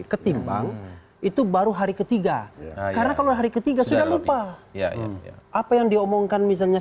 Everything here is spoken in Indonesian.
ketimbang itu baru hari ketiga karena kalau hari ketiga sudah lupa ya apa yang diomongkan misalnya